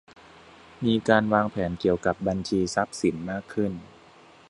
มีการวางแผนเกี่ยวกับบัญชีทรัพย์สินมากขึ้น